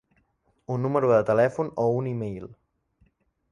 Un número de telèfon o un email.